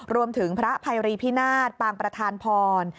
รวมถึงพระภัยรีพินาศปางประธานพร